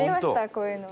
こういうの。